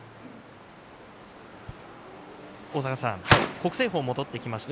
北青鵬が戻ってきました。